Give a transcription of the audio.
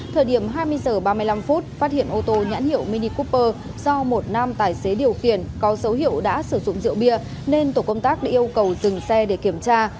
thời điểm hai mươi h ba mươi năm phút phát hiện ô tô nhãn hiệu mini kuper do một nam tài xế điều khiển có dấu hiệu đã sử dụng rượu bia nên tổ công tác đã yêu cầu dừng xe để kiểm tra